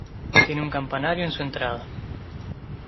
Tiene un campanario en su entrada.